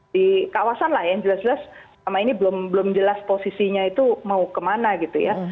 di kawasan lah yang jelas jelas selama ini belum jelas posisinya itu mau kemana gitu ya